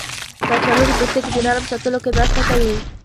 کچالو د پوستکي د نرم ساتلو کې مرسته کوي.